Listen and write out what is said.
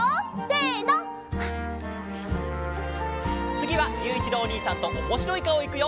つぎはゆういちろうおにいさんとおもしろいかおいくよ！